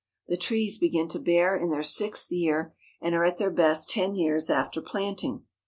The trees begin to bear in their sixth year, and are at their best ten years after planting.